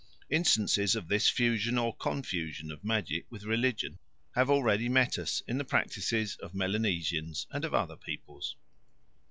Instances of this fusion or confusion of magic with religion have already met us in the practices of Melanesians and of other peoples.